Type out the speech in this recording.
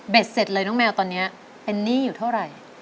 เสร็จเลยน้องแมวตอนนี้เป็นหนี้อยู่เท่าไหร่